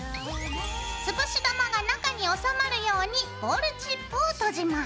つぶし玉が中に収まるようにボールチップを閉じます。